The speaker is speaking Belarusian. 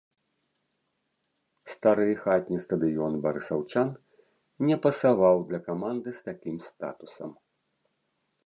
Стары хатні стадыён барысаўчан не пасаваў для каманды з такім статусам.